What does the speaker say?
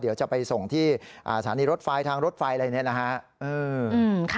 เดี๋ยวจะไปส่งที่สถานีรถไฟทางรถไฟอะไรเนี่ยนะฮะ